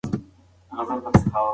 د خلکو پر شتمنيو يې ساتنه کوله.